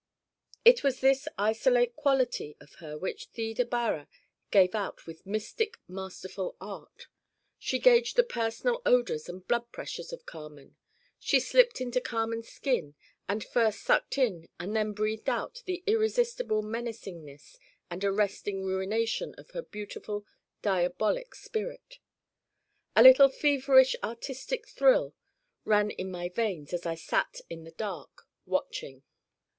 It was this isolate quality of her which Theda Bara gave out with mystic masterful art. She gauged the personal odors and blood pressures of Carmen. She slipped into Carmen's skin and first sucked in and then breathed out the irresistible menacingness and arresting ruination of her beautiful diabolic spirit. A little feverish artistic thrill ran in my veins as I sat in the dark watching.